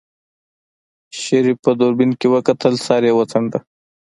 شريف په دوربين کې وکتل سر يې وڅنډه.